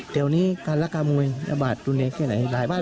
เดี๋ยวนี้การรักษามวยระบาดรุนแรงแค่ไหนหลายบ้าน